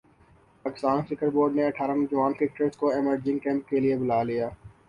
Pakistan cricket board نے اٹھارہ نوجوان کرکٹرز کو ایمرجنگ کیمپ کیلئے بلا لیا